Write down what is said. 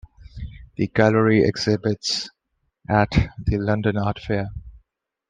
The gallery exhibits at the London Art Fair.